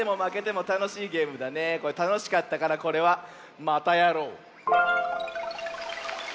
これたのしかったからこれはまたやろう！